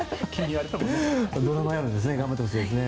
ドラマやるんですね。頑張ってほしいですね。